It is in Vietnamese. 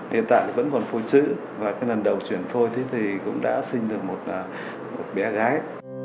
hiện tại vẫn còn phôi chữ và cái lần đầu chuyển phôi thì cũng đã sinh được một bé gái